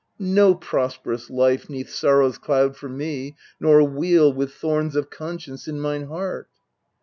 No prosperous life 'neath sorrow's cloud for me, Nor weal, with thorns of conscience in mine heart